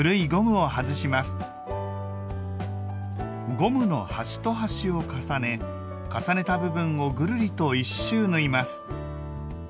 ゴムの端と端を重ね重ねた部分をぐるりと１周縫います。